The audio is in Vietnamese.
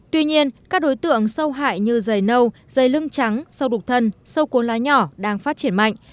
tuy nhiên các đối tượng sâu hại như dày nâu dày lưng trắng sâu đục thân sâu cuốn lá nhỏ đang phát triển mạnh